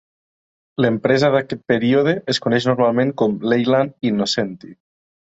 L'empresa d'aquest període es coneix normalment com Leyland Innocenti.